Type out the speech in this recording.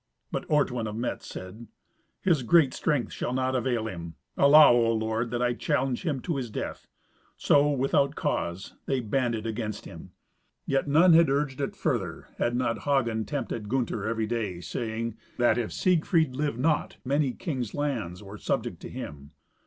But Ortwin of Metz said, "His great strength shall not avail him. Allow, O Lord, that I challenge him to his death." So, without cause, they banded against him. Yet none had urged it further, had not Hagen tempted Gunther every day, saying, that if Siegfried lived not, many kings' lands were subject to him.